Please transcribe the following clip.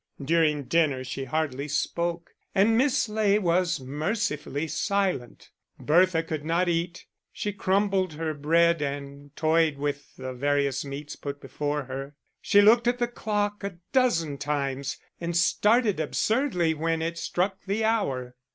During dinner she hardly spoke, and Miss Ley was mercifully silent. Bertha could not eat; she crumbled her bread and toyed with the various meats put before her. She looked at the clock a dozen times, and started absurdly when it struck the hour.